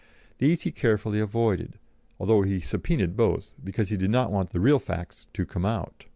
These he carefully avoided, although he subpoenaed both, because he did not want the real facts to come out.